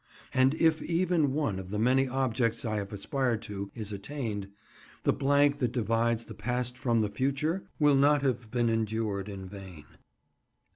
And if even one of the many objects I have aspired to is attained, the blank that divides the past from the future will not have been endured in vain.